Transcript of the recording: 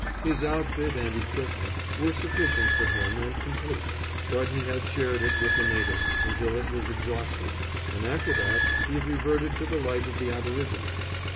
His outfit and equipment were sufficient for him and complete, but he had shared it with the natives until it was exhausted, and after that he had reverted to the life of the aborigines.